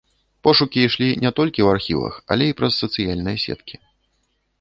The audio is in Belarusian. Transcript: Пошукі ішлі не толькі ў архівах, але і праз сацыяльныя сеткі.